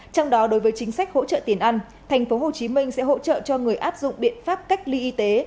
trong đó đối với chính sách hỗ trợ tiền ăn tp hcm sẽ hỗ trợ cho người áp dụng biện pháp cách ly y tế